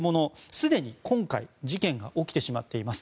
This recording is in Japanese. すでに今回事件が起きてしまっています。